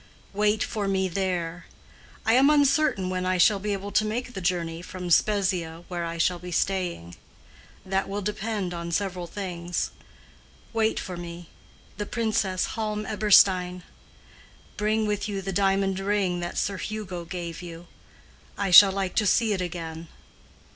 Wait for me there. I am uncertain when I shall be able to make the journey from Spezia, where I shall be staying. That will depend on several things. Wait for me—the Princess Halm Eberstein. Bring with you the diamond ring that Sir Hugo gave you. I shall like to see it again.